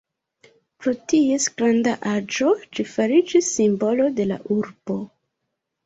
Pro ties granda aĝo ĝi fariĝis simbolo de la urbo.